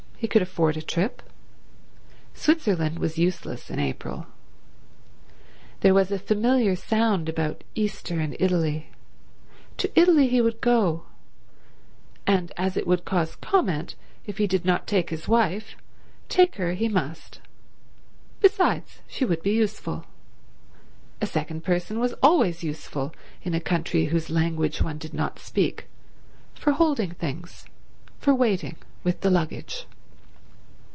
He could afford a trip. Switzerland was useless in April. There was a familiar sound about Easter in Italy. To Italy he would go; and as it would cause comment if he did not take his wife, take her he must—besides, she would be useful; a second person was always useful in a country whose language one did not speak for holding things, for waiting with the luggage.